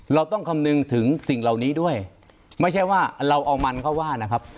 เราต้องคำนึงถึงสิ่งเหล่านี้ด้วยไม่ใช่ว่าเราเอามันเข้าว่านะครับ